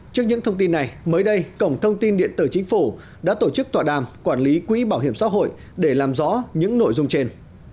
trước những thông tin này mới đây cổng thông tin điện tử chính phủ đã tổ chức tọa đàm quản lý quỹ bảo hiểm xã hội để làm rõ những nội dung trên